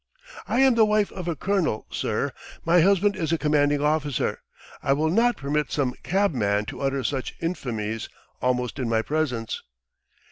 I am the wife of a colonel, sir! My husband is a commanding officer. I will not permit some cabman to utter such infamies almost in my presence!"